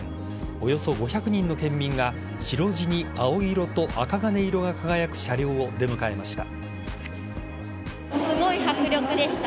およそ５００人の県民が白地に青色とあかがね色が輝く車両を出迎えました。